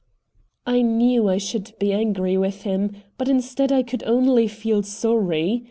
I knew I should be angry with him, but instead I could only feel sorry.